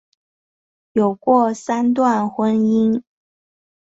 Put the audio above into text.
有过三段婚姻。